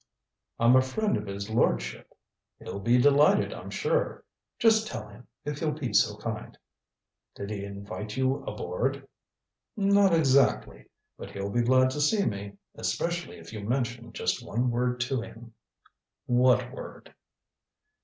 "I'm a friend of his lordship. He'll be delighted, I'm sure. Just tell him, if you'll be so kind." "Did he invite you aboard?" "Not exactly. But he'll be glad to see me. Especially if you mention just one word to him." "What word?"